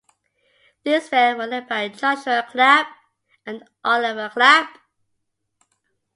These men were led by Joshua Clapp, and Oliver Clapp.